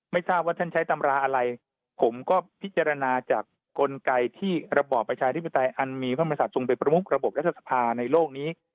ไม่ทราบว่าท่านใช้ตำราอะไรผมก็พิจารณาจากกลไกที่ระบอบประชาธิปไตยอันมีพระมศาสตทรงเป็นประมุกระบบรัฐสภาในโลกนี้